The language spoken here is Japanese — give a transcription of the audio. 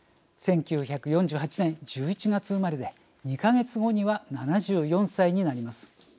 １９４８年１１月生まれで２か月後には７４歳になります。